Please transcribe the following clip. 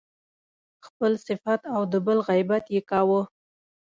خپل صفت او د بل غیبت يې کاوه.